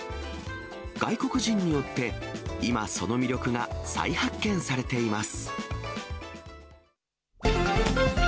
外国人によって、今その魅力が再発見されています。